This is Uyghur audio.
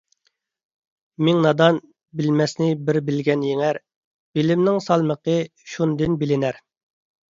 مىڭ نادان - بىلمەسنى بىر بىلگەن يېڭەر، بىلىمنىڭ سالمىقى شۇندىن بىلىنەر.